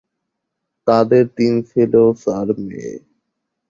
তাদের তিন ছেলে ও চার মেয়ে।